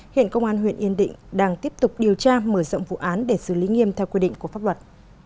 hiện công an huyện yên định đang tiếp tục điều tra mở rộng vụ án để xử lý nghiêm theo quy định của pháp luật